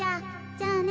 じゃあね。